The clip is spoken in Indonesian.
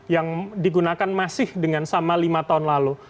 yang digunakan masih dengan sama lima tahun lalu